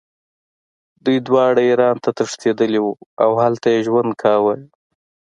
دوی دواړه ایران ته تښتېدلي وو او هلته یې ژوند کاوه.